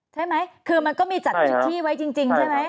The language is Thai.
ใช่ไหมคือมันก็มีจัดที่ไว้จริงใช่ไหม